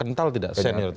ada tidak kental tidak